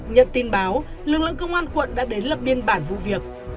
nhận tin báo lực lượng công an quận đã đến lập biên bản vụ việc